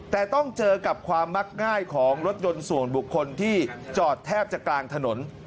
แต่ต้องเจอกับความมักง่ายของรถยนต์ส่วนบุคคลที่จอดแทบจะกลางถนน